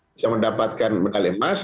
bisa mendapatkan medali emas